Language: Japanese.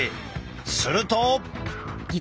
すると。